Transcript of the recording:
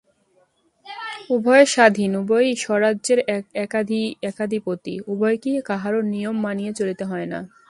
উভয়ে স্বাধীন, উভয়েই স্বরাজ্যের একাধিপতি, উভয়কেই কাহারো নিয়ম মানিয়া চলিতে হয় না।